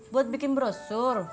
buat bikin brosur